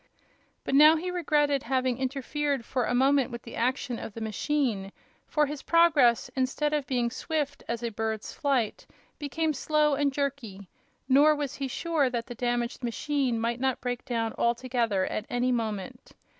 But now he regretted having interfered for a moment with the action of the machine, for his progress, instead of being swift as a bird's flight, became slow and jerky, nor was he sure that the damaged machine might not break down altogether at any moment.